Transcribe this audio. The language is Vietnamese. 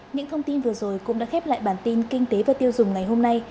những thông tin vừa rồi cũng đã khép lại bản tin kinh tế và tiêu dùng ngày hôm nay